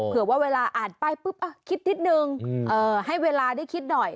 เผื่อว่าเวลาอ่านป้ายปุ๊บคิดนิดนึงให้เวลาได้คิดหน่อย